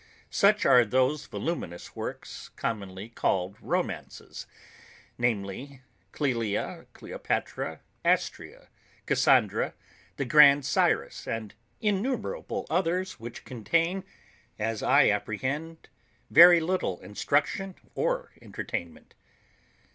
Such are those voluminous works, commonly called Romances, namely Clelia, Cleopatra, Astræa, Cassandra, the Grand Cyrus, and innumerable others which contain, as I apprehend, very little instruction or entertainment.